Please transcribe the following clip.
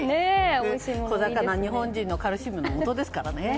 小魚は日本人のカルシウムのもとですからね。